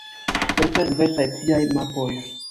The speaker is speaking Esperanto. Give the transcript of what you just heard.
Estas diversaj tiaj mapoj.